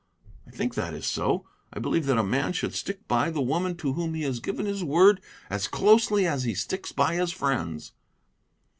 I think that is so. I believe that a man should stick by the woman to whom he has given his word as closely as he sticks by his friends."